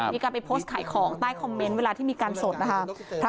มีการไปโพสต์ขายของใต้คอมเมนต์เวลาที่มีการสดนะคะ